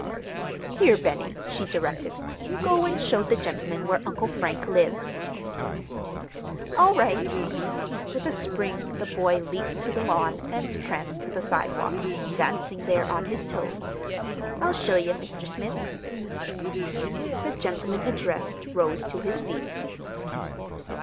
"Here, Benny," she directed, "go and show the gentleman where Uncle Frank lives." "All right!" With a spring the boy leaped to the lawn and pranced to the sidewalk, dancing there on his toes. "I'll show ye, Mr. Smith." The gentleman addressed rose to his feet.